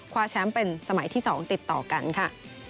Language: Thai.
แชมป์เป็นสมัยที่๒ติดต่อกันค่ะ